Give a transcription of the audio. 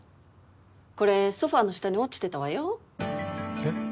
これソファーの下に落ちてたわよえっ？